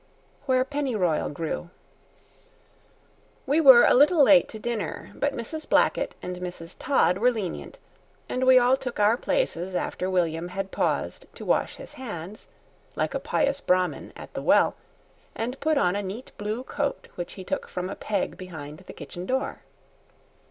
Where Pennyroyal Grew WE WERE a little late to dinner, but Mrs. Blackett and Mrs. Todd were lenient, and we all took our places after William had paused to wash his hands, like a pious Brahmin, at the well, and put on a neat blue coat which he took from a peg behind the kitchen door.